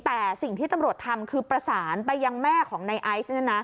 แต่สิ่งที่ตำรวจทำคือประสานไปยังแม่ของในไอซ์